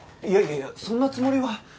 いやいやいやそんなつもりは。